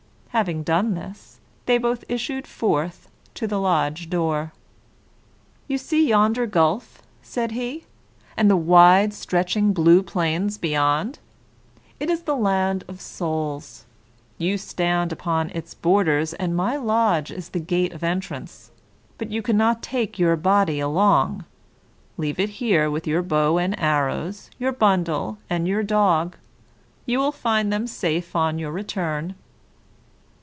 Having done this, they both issued forth to the lodge door. "You see yonder gulf," said he, "and the wide stretching blue plains beyond. It is the land of souls. You stand upon its borders, and my lodge is the gate of entrance. But you can not take your body along. Leave it here with your bow and arrows, your bundle, and your dog. You will find them safe on your return."